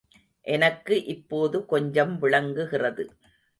எனக்கு இப்போது கொஞ்சம் விளங்குகிறது.